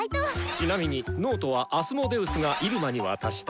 ちなみにノートはアスモデウスが入間に渡した。